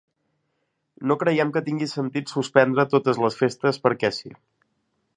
No creiem que tingui sentit suspendre totes les festes perquè sí.